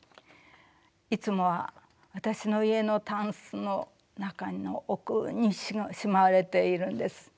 いつもは私の家のタンスの中の奥にしまわれているんです。